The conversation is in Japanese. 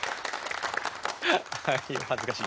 お恥ずかしい。